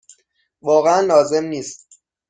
واقعا لازم نیست.